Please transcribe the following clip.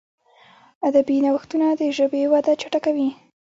ادبي نوښتونه د ژبي وده چټکوي.